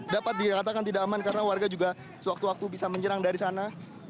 dapat dikatakan tidak aman karena warga juga sewaktu waktu bisa menyerang dari sana